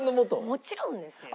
もちろんですよ。